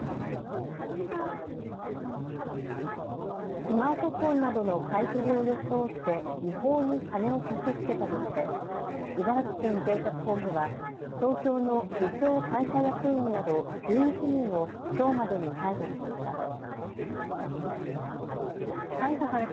スマートフォンなどの買い取りを装って違法に金を貸し付けたとして茨城県警察本部は東京の自称・会社役員など１１人をきょうまでに逮捕しました。